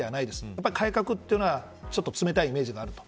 やはり改革というのは、ちょっと冷たいイメージがあると。